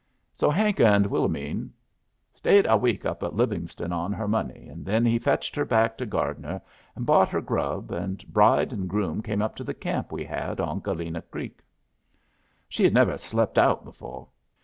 "So Hank and Willomene stayed a week up in Livingston on her money, and then he fetched her back to Gardner, and bought their grub, and bride and groom came up to the camp we had on Galena Creek. "She had never slep' out before.